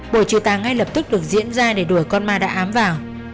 bộ trừ tà ngay lập tức được diễn ra để đuổi con ma đã ám vào